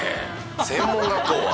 専門学校は？